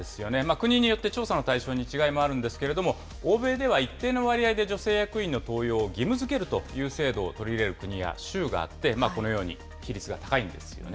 国によって調査の対象に違いもあるんですけれども、欧米では一定の割合で女性役員の登用を義務づけるという制度を取り入れる国や州があって、このように比率が高いんですよね。